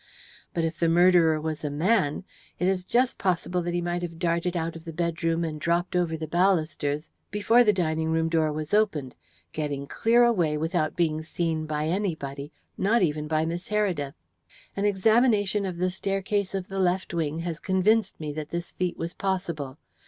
But if the murderer was a man, it is just possible that he might have darted out of the bedroom and dropped over the balusters, before the dining room door was opened, getting clear away without being seen by anybody not even by Miss Heredith. An examination of the staircase of the left wing has convinced me that this feat was possible.